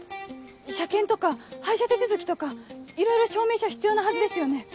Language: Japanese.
車検とか廃車手続きとかいろいろ証明書必要なはずですよね。